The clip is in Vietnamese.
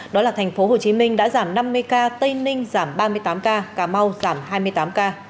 đó là thành phố hồ chí minh đã giảm năm mươi ca tây ninh giảm ba mươi tám ca cà mau giảm hai mươi tám ca